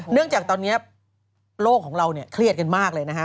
เนื่องจากตอนนี้โลกของเราเครียดกันมากเลยนะฮะ